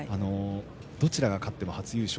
どちらが勝っても初優勝。